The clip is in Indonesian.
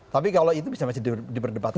tapi kalau itu bisa masih diperdebatkan